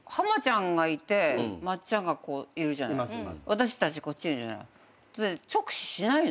私たちこっちにいるじゃない。